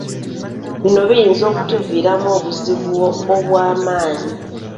Bino byo biyinza okutuviiramu obuzibu obw'amaanyi.